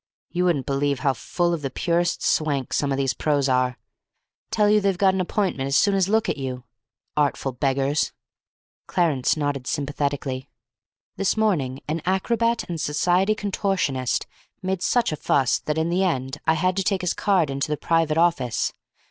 You wouldn't believe how full of the purest swank some of these pros. are. Tell you they've got an appointment as soon as look at you. Artful beggars!" Clarence nodded sympathetically. "This morning an Acrobat and Society Contortionist made such a fuss that in the end I had to take his card in to the private office.